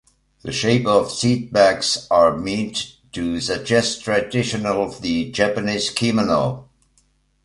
The shape of the seatbacks are meant to suggest traditional the Japanese kimono.